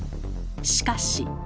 しかし。